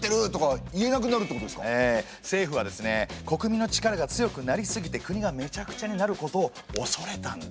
政府は国民の力が強くなりすぎて国がめちゃくちゃになることをおそれたんですね。